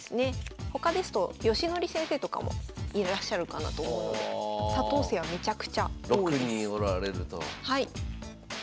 他ですと義則先生とかもいらっしゃるかなと思うので佐藤姓はめちゃくちゃ多いです。